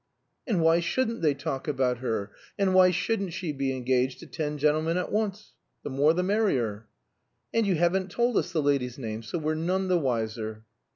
"And why shouldn't they talk about her, and why shouldn't she be engaged to ten gentlemen at once? The more the merrier." "And you haven't told us the lady's name, so we're none the wiser."